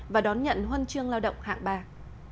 và đón nhận huân chương lao động hạng ba